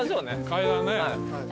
階段ね。